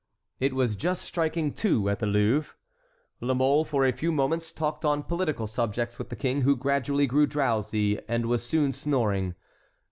It was just striking two at the Louvre. La Mole for a few moments talked on political subjects with the king, who gradually grew drowsy and was soon snoring.